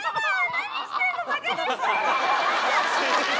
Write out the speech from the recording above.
何してるの？